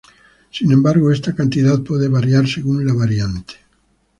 Sin embargo, esta cantidad puede variar según la variante.